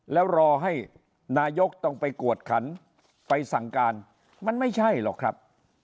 แล้วรอให้นายกต้องไปกวดขันไปสั่งการมันไม่ใช่หรอกครับ